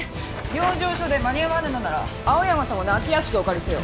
養生所で間に合わぬのなら青山様の空き屋敷をお借りせよ！